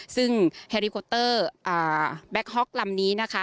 ซึ่งแฮริโคตเตอร์แบ็คฮ็อกลำนี้นะคะ